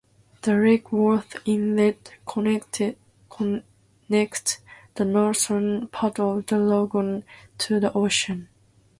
The Lake Worth Inlet connects the northern part of the lagoon to the ocean.